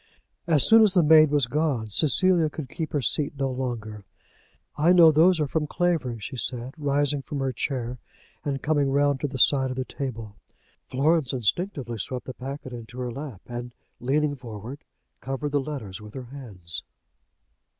As soon as the maid was gone, Cecilia could keep her seat no longer. "I know those are from Clavering," she said, rising from her chair, and coming round to the side of the table. Florence instinctively swept the packet into her lap, and, leaning forward, covered the letters with her hands.